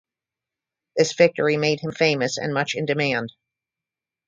This victory made him famous and much in demand.